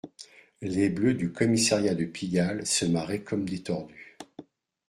Les bleus du commissariat de Pigalle se marraient comme des tordus